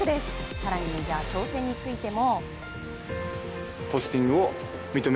更にメジャー挑戦についても。